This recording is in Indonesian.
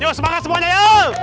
jom semangat semuanya ayo